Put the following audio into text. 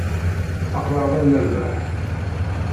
Aql-aɣ la nrebbeḥ.